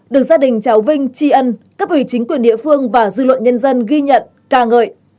đường gia đình cháu vinh chi ân cấp hủy chính quyền địa phương và dư luận nhân dân ghi nhận ca ngợi